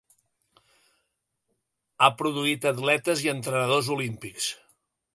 Ha produït atletes i entrenadors olímpics.